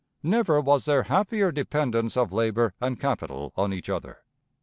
Never was there happier dependence of labor and capital on each other.